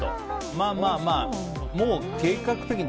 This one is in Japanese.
まあまあまあもう計画的に。